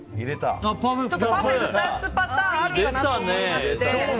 パフェ２つパターンあるかなと思いまして。